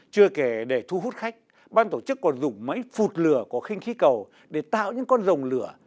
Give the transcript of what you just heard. chưa kể để thu hút khách ban tổ chức còn dùng máy phụt lửa của khinh khí cầu để tạo những con rồng lửa